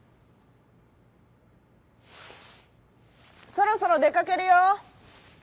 「そろそろでかけるよ」。